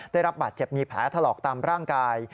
ได้รับบาดเจ็บมีแผลถลอกตามร่างกาย